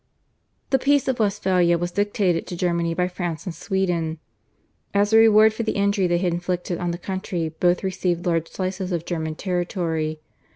The Peace of Westphalia was dictated to Germany by France and Sweden. As a reward for the injury they had inflicted on the country both received large slices of German territory.